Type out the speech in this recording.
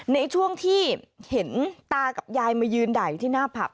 ในช่วงที่เห็นตากับยายมายืนด่าอยู่ที่หน้าผับ